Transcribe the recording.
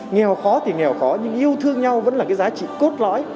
nghèo khó thì nghèo khó nhưng yêu thương nhau vẫn là cái giá trị cốt lõi